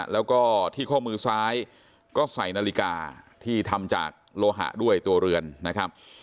แล้วก็ที่ข้อมือซ้ายก็ใส่นาฬิกาที่ทำจากโลหะด้วยตัวเรือนนะครับ